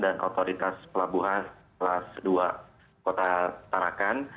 dan otoritas pelabuhan kelas dua kota tarakan